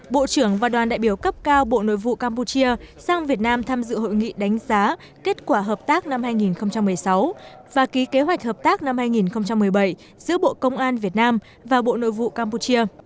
bộ trưởng và đoàn đại biểu cấp cao bộ nội vụ campuchia sang việt nam tham dự hội nghị đánh giá kết quả hợp tác năm hai nghìn một mươi sáu và ký kế hoạch hợp tác năm hai nghìn một mươi bảy giữa bộ công an việt nam và bộ nội vụ campuchia